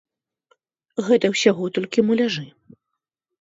Гэта ўсяго толькі муляжы.